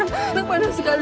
tak panas sekali